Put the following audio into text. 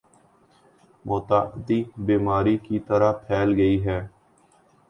متعدی بیماری کی طرح پھیل گئی ہے